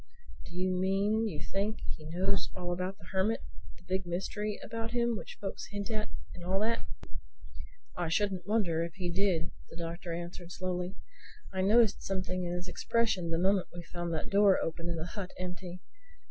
"Do you mean you think he knows all about the Hermit, the big mystery about him which folks hint at and all that?" "I shouldn't wonder if he did," the Doctor answered slowly. "I noticed something in his expression the moment we found that door open and the hut empty.